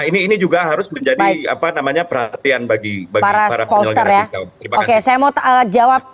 nah ini juga harus menjadi perhatian bagi para penyelenggara pilkada